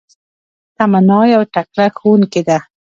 تمنا يو تکړه ښوونکي ده